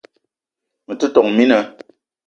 Me te , tόn mina